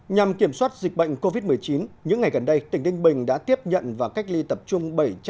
nhằm kiểm soát dịch bệnh covid một mươi chín những ngày gần đây tỉnh đinh bình đã tiếp nhận và cách ly tập trung